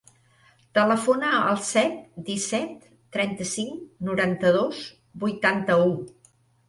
Telefona al set, disset, trenta-cinc, noranta-dos, vuitanta-u.